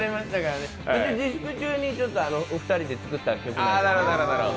自粛中に２人で作った曲なんです。